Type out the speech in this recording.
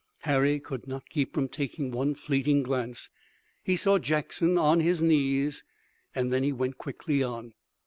Harry could not keep from taking one fleeting glance. He saw Jackson on his knees, and then he went quickly on.